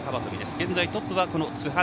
現在トップは津波。